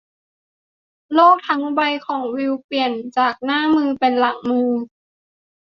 โลกทั้งใบของวิลเปลี่ยนจากหน้ามือเป็นหลังมือ